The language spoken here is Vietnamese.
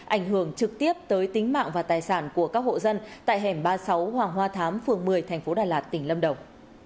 ảnh hưởng trực tiếp tới tính mạng và tài sản của các hộ dân tại hẻm ba mươi sáu hoàng hoa thám phường một mươi tp đà lạt tỉnh lâm đồng